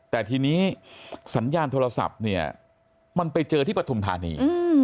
แต่ทีนี้สัญญาณโทรศัพท์เนี่ยมันไปเจอที่ปฐุมธานี